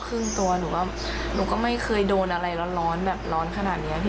ครึ่งตัวหนูก็ไม่เคยโดนอะไรร้อนร้อนขนาดนี้